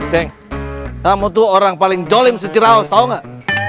ceng kamu tuh orang paling jolim seceraus tau nggak